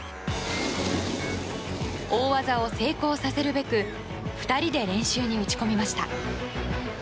大技を成功させるべく２人で練習に打ち込みました。